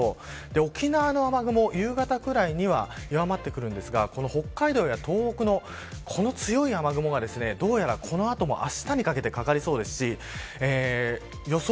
沖縄の雨雲、夕方ぐらいには弱まってくるんですが北海道や東北の強い雨雲がどうやら、この後もあしたにかけてかかりそうですし予想